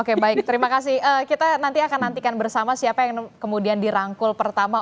oke baik terima kasih kita nanti akan nantikan bersama siapa yang kemudian dirangkul pertama